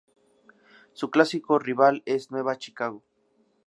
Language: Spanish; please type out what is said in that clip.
Su clásico rival es Nueva Chicago.